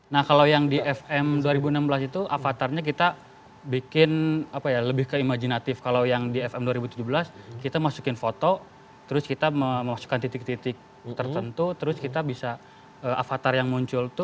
nah kalau yang di fm dua ribu enam belas itu avatarnya kita bikin apa ya lebih ke imajinatif kalau yang di fm dua ribu tujuh belas kita masukin foto terus kita memasukkan titik titik tertentu terus kita bisa avatar yang muncul tuh